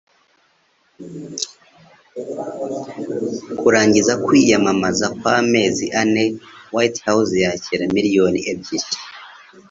Kurangiza kwiyamamaza kwamezi ane, White House yakira miliyoni ebyiri